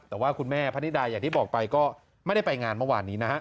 แต่ว่าคุณแม่พนิดาอย่างที่บอกไปก็ไม่ได้ไปงานเมื่อวานนี้นะฮะ